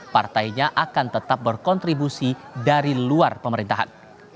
partainya akan tetap berkontribusi dari luar pemerintahan